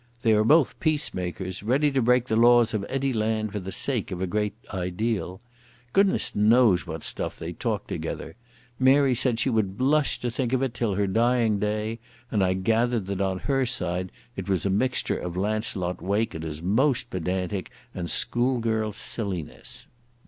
They are both peacemakers, ready to break the laws of any land for the sake of a great ideal. Goodness knows what stuff they talked together. Mary said she would blush to think of it till her dying day, and I gathered that on her side it was a mixture of Launcelot Wake at his most pedantic and schoolgirl silliness.